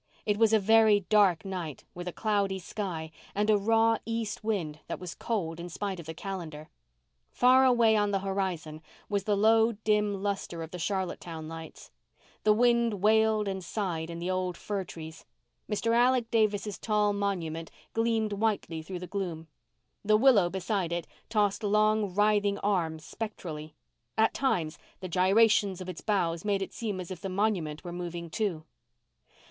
It was a very dark night, with a cloudy sky, and a raw east wind that was cold in spite of the calendar. Far away on the horizon was the low dim lustre of the Charlottetown lights. The wind wailed and sighed in the old fir trees. Mr. Alec Davis' tall monument gleamed whitely through the gloom. The willow beside it tossed long, writhing arms spectrally. At times, the gyrations of its boughs made it seem as if the monument were moving, too.